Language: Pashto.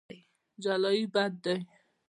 جلايي بد دی.